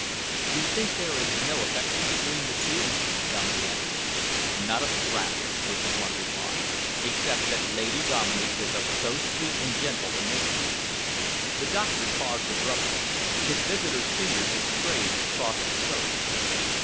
"You think there is no affection between the two?" Dominey asked. "Not a scrap," was the blunt reply, "except that Lady Dominey is of so sweet and gentle a nature " The doctor paused abruptly. His visitor's fingers had strayed across his throat.